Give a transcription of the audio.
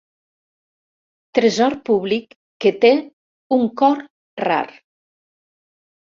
Tresor públic que té un cor rar.